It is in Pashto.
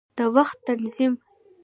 د وخت تنظیم